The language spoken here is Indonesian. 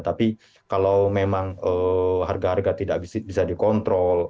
tapi kalau memang harga harga tidak bisa dikontrol